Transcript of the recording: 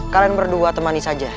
kalian berdua temani saja